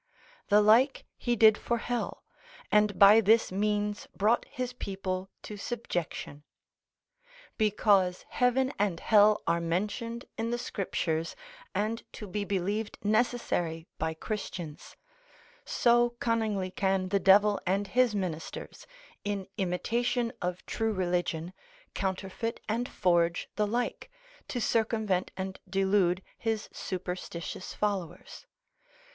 The like he did for hell, and by this means brought his people to subjection. Because heaven and hell are mentioned in the scriptures, and to be believed necessary by Christians: so cunningly can the devil and his ministers, in imitation of true religion, counterfeit and forge the like, to circumvent and delude his superstitious followers.